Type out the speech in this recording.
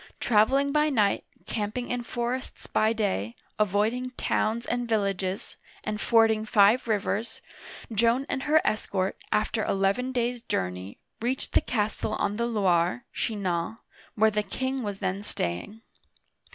Traveling by night, camping in for ests by day, avoiding towns and villages, and fording five rivers, Joan and her escort, after eleven days' journey, reached the castle on the Loire (Chinan) where the king was then staying.